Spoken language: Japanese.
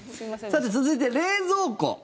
さて、続いて冷蔵庫。